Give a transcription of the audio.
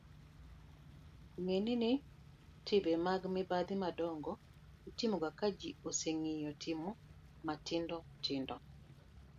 ng'e ni timbe mag mibadhi madongo' itimoga ka ji oseng'iyo timo matindotindo